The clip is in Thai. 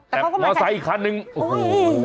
แต่มอไซค์อีกคันนึงโอ้โห